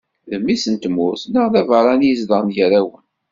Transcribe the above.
D mmi-s n tmurt neɣ d abeṛṛani izedɣen gar-awen.